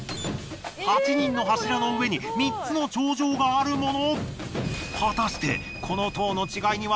８人の柱の上に３つの頂上があるもの！